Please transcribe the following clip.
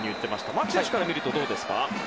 牧選手から見るとどうですか？